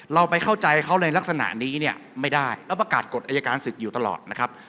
เราไปเข้าใจเขาในลักษณะนี้เนี่ยไม่ได้แล้วประกาศกฎอายการศึกอยู่ตลอดนะครับ